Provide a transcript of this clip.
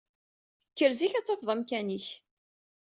Kker zik, ad tafeḍ amkan-ik.